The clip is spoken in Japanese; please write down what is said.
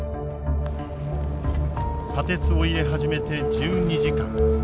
砂鉄を入れ始めて１２時間。